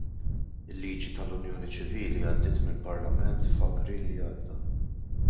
Il-liġi tal-unjoni ċivili għaddiet mill-Parlament f'April li għadda.